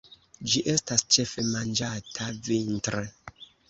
Ĝi estas ĉefe manĝata vintre.